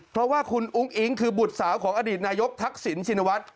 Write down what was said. เพราะว่าคุณอุ้งอิ๊งคือบุตรสาวของอดีตนายกทักษิณชินวัฒน์